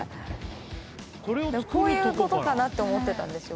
こういうことかなって思ってたんですよ